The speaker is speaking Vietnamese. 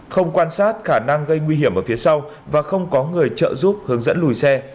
không quan sát khả năng gây nguy hiểm ở phía sau và không có người trợ giúp hướng dẫn lùi xe